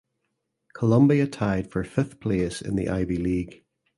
Columbia tied for fifth place in the Ivy League.